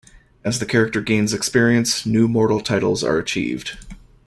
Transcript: As the character gains experience, new mortal titles are achieved.